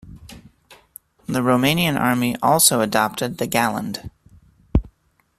The Romanian Army also adopted the Galand.